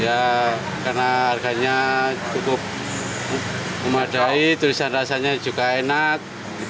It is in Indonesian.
ya karena harganya cukup memadai terusan rasanya juga enak